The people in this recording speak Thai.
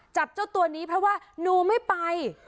เจ้าตัวนี้เพราะว่าหนูไม่ไป